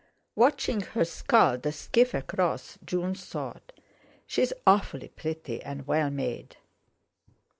Watching her scull the skiff across, June thought: 'She's awfully pretty and well made.